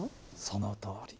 そのとおり。